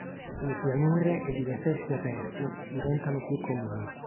Le pianure ed i deserti aperti diventano più comuni.